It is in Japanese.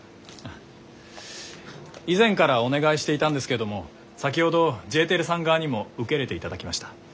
以前からお願いしていたんですけども先ほどＪテレさん側にも受け入れていただきました。